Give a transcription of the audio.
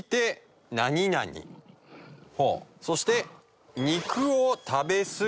そして。